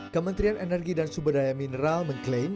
kementerian energi dan subadaya mineral mengklaim